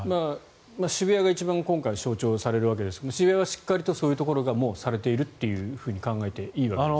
渋谷が一番象徴されるわけですが渋谷はしっかりとそういうことがされていると考えていいわけですね。